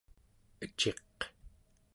eciq